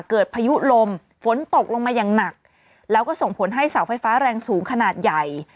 พายุลมฝนตกลงมาอย่างหนักแล้วก็ส่งผลให้เสาไฟฟ้าแรงสูงขนาดใหญ่